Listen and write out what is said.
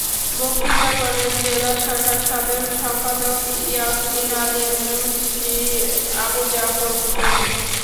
বক্তৃতা করেন জেলা শাখার সাধারণ সম্পাদক ইয়াছিন আলী, মুন্সী আবু জাফর প্রমুখ।